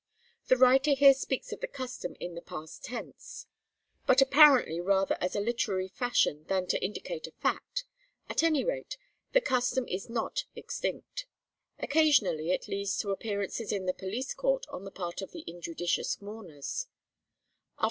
' The writer here speaks of the custom in the past tense, but apparently rather as a literary fashion than to indicate a fact; at any rate, the custom is not extinct. Occasionally it leads to appearances in the police court on the part of injudicious mourners.